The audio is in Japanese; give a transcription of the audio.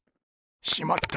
しまった！